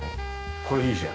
これいいじん。